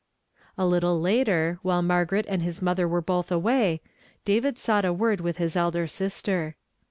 A little later, while Margaret and his mother were both away, David sought a word with his elder sister.